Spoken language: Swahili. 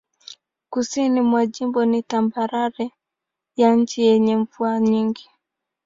Kusini mwa jimbo ni tambarare ya chini yenye mvua nyingi.